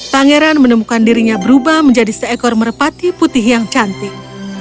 pangeran menemukan dirinya berubah menjadi seekor merpati putih yang cantik